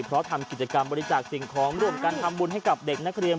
เพราะทำกิจกรรมบริจาคสิ่งของร่วมกันทำบุญให้กับเด็กนักเรียน